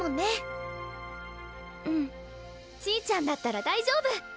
ちぃちゃんだったら大丈夫！